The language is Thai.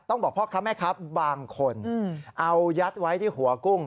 บอกพ่อค้าแม่ค้าบางคนเอายัดไว้ที่หัวกุ้ง